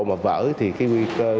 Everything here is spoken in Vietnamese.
mà vỡ thì cái nguy cơ